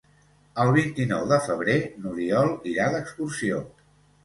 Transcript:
El vint-i-nou de febrer n'Oriol irà d'excursió.